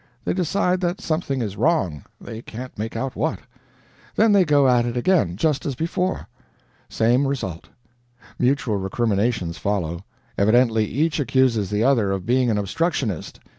They decide that something is wrong, they can't make out what. Then they go at it again, just as before. Same result. Mutual recriminations follow. Evidently each accuses the other of being an obstructionist.